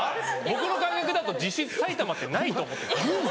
僕の感覚だと実質埼玉ってないと思ってる。